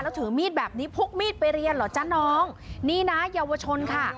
แล้วถือมีดแบบนี้พกมีดไปเรียนเหรอจ๊ะน้องนี่นะเยาวชนค่ะ